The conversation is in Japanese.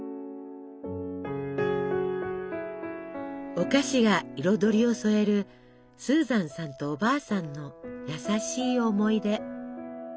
お菓子が彩りを添えるスーザンさんとおばあさんの優しい思い出。